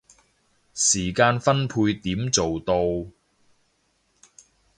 時間分配點做到